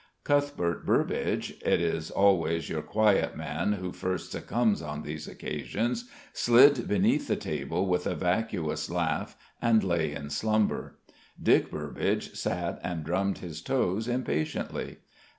Cuthbert Burbage it is always your quiet man who first succumbs on these occasions slid beneath the table with a vacuous laugh and lay in slumber. Dick Burbage sat and drummed his toes impatiently.